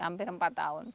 hampir empat tahun